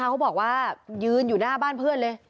เขาบอกว่ายืนอยู่หน้าบ้านเพื่อนเลย